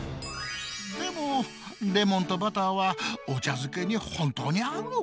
でもレモンとバターはお茶漬けに本当に合うのか？